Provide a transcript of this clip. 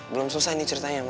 belum selesai nih ceritanya ma